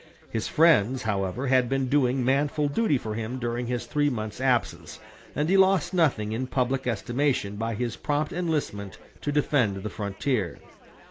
His friends, however had been doing manful duty for him during his three months' absence, and he lost nothing in public estimation by his prompt enlistment to defend the frontier.